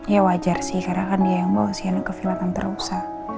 ya wajar sih karena kan dia yang bawa sienna ke villa la rosa